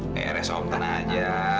tidak om tidak apa apa